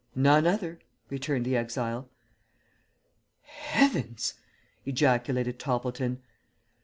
"None other," returned the exile. "Heavens!" ejaculated Toppleton.